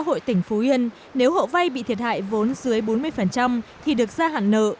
xã hội tỉnh phú yên nếu hộ vai bị thiệt hại vốn dưới bốn mươi thì được ra hẳn nợ